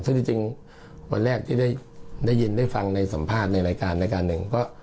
ซึ่งจริงวันแรกที่ได้ยินได้ฟังในสัมภาษณ์ในรายการรายการหนึ่งก็